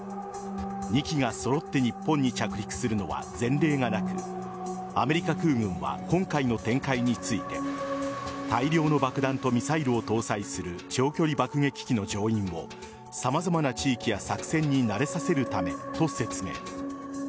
２機が揃って日本に着陸するのは前例がなくアメリカ空軍は今回の展開について大量の爆弾とミサイルを搭載する長距離爆撃機の乗員を様々な地域や作戦に慣れさせるためと説明。